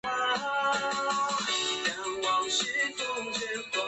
由希伯来文翻译而成。